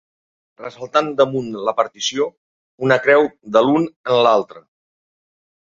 Ressaltant damunt la partició, una creu de l'un en l'altre.